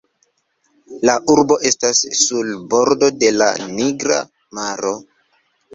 La urbo estas sur bordo de la Nigra maro.